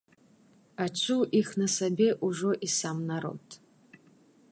Адчуў іх на сабе ўжо і сам народ.